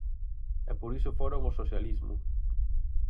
E por iso foron ao socialismo.